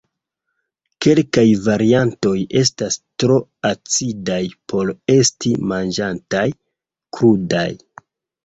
Kelkaj variantoj estas tro acidaj por esti manĝataj krudaj.